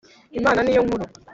Imana niyonkuru.